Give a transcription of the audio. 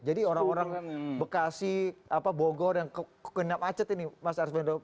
jadi orang orang bekasi bogor dan kekuniam acet ini mas arsuda